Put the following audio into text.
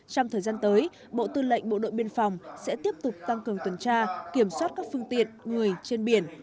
trong thời gian tới bộ tư lệnh bộ đội biên phòng sẽ tiếp tục tăng cường tuần tra kiểm soát các phương tiện người trên biển